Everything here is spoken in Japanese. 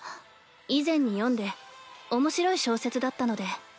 以前に読んで面白い小説だったので。